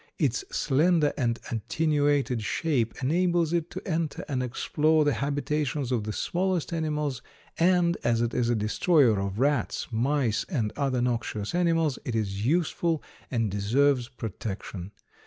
Its slender and attenuated shape enables it to enter and explore the habitations of the smallest animals, and, as it is a destroyer of rats, mice, and other noxious animals, it is useful and deserves protection.